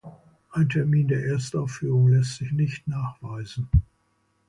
Ein Termin der Erstaufführung lässt sich nicht nachweisen.